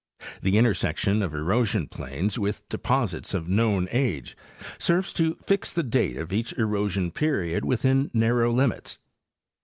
The intersection of erosion planes with deposits of known age serves to fix the date of each erosion period within narrow limits.